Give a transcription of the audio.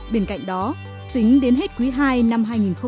bên cạnh đó tính đến hết quý ii năm hai nghìn một mươi bảy